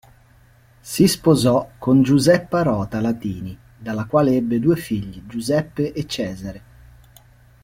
Si sposò con Giuseppa Rota Latini dalla quale ebbe due figli: Giuseppe e Cesare.